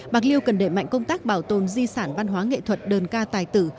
bạc liêu cần để mạnh công tác bảo tồn di sản văn hóa nghệ thuật đơn ca tài tử